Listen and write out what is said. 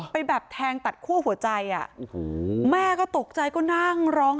ไปแบบแทงตัดคั่วหัวใจแม่ก็ตกใจก็นั่งร้องไห้